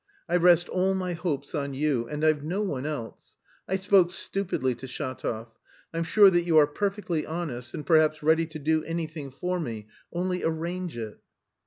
I rest all my hopes on you and I've no one else; I spoke stupidly to Shatov.... I'm sure that you are perfectly honest and perhaps ready to do anything for me, only arrange it."